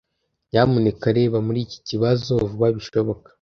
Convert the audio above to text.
Nyamuneka reba muri iki kibazo vuba bishoboka.